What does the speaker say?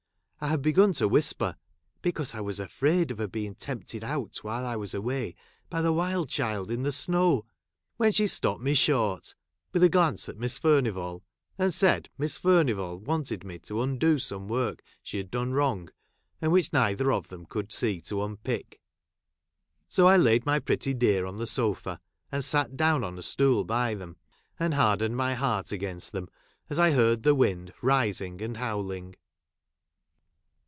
" I had begun to whisper, " Because I was afraid of her being tempted out while 1 I was away, by the wild child in the snow," i when she stopped me short (with a glance at Miss Furnivall) and said Miss Furnivall wanted me to 'undo some work she had done vtTong, and which neither of them could see to unpick. So, I laid my pretty dear on the ■ sofa, and sat down on a stool by them, and haixleued my heart against them as I heard the wind rising and howling.